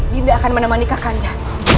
binda akan menemani kakanda